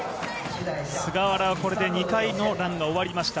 菅原はこれで２回のランが終わりました。